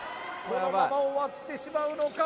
このまま終わってしまうのか？